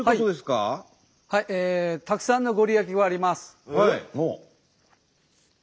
たくさんの御利益があります。